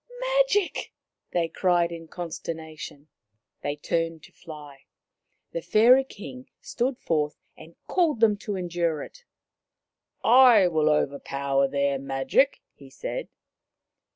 " Magic !" they cried in consternation. They turned to fly. The Fairy King stood forth and called them to endure it. "I will overpower their magic !" he said.